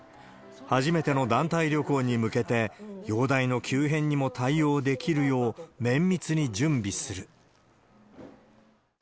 初めての団体旅行に向けて、容体の急変にも対応できるよう、綿密に準備する。